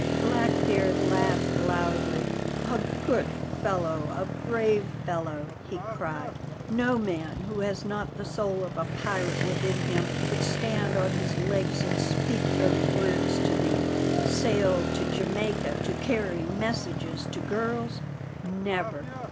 Blackbeard laughed loudly. "A good fellow, a brave fellow!" he cried. "No man who has not the soul of a pirate within him could stand on his legs and speak those words to me. Sail to Jamaica to carry messages to girls? Never!